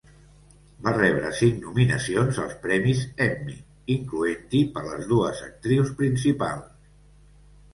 Va rebre cinc nominacions als premis Emmy, incloent-hi per les dues actrius principals.